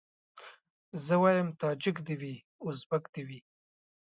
زه وايم تاجک دي وي ازبک دي وي